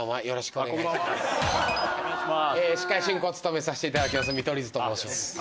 よろしくお願いします。